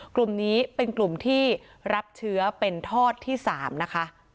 กลุ่มนี้เป็นกลุ่มที่รับเชื้อเป็นทอดที่๓นะคะ